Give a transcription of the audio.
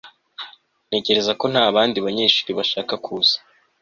ntekereza ko nta bandi banyeshuri bashaka kuza